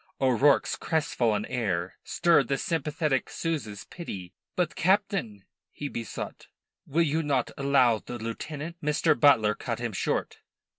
O'Rourke's crestfallen air stirred the sympathetic Souza's pity. "But, Captain," he besought, "will you not allow the lieutenant " Mr. Butler cut him short.